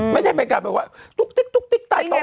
ไม่ได้เป็นการแบบว่าตุ๊กติ๊กตุ๊กติ๊กตายต่อไป